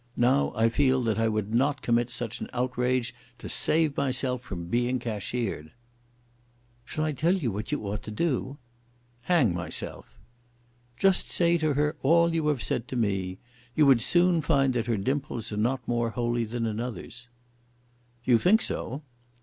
Now I feel that I would not commit such an outrage to save myself from being cashiered." "Shall I tell you what you ought to do?" "Hang myself." "Just say to her all that you have said to me. You would soon find that her dimples are not more holy than another's." "You think so."